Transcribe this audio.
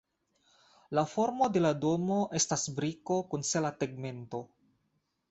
La formo de la domo estas briko kun sela tegmento.